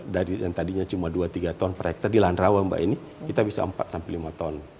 dari yang tadinya cuma dua tiga ton per hektare di lahan rawa mbak ini kita bisa empat sampai lima ton